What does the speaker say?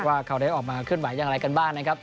ว่าเขาได้ออกมาเคลื่อนไหวอย่างไรกันบ้างนะครับ